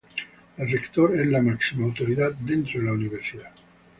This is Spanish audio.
El rector es la máxima autoridad dentro de la universidad.